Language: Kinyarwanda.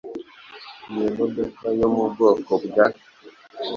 Iyo modoka yo mu bwoko bwa